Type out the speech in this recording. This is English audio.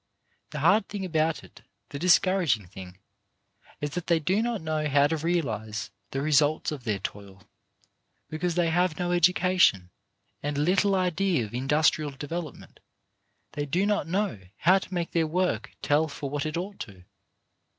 The hard thing about it, the discouraging thing, is that they do not know how to realize on the results of their toil ; because they have no education and little idea of industrial development, they do not know how to make their work tell for what it ought to.